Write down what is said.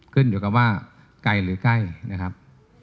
ขึ้นอยู่กับว่าใกล้หรือใกล้นะครับ